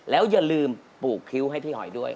แล้วอย่าลืมปลูกคิ้วให้พี่หอยด้วย